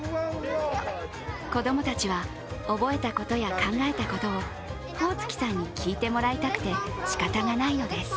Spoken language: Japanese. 子供たちは覚えたことや考えたことを宝槻さんに聞いてもらいたくてしかたがないのです。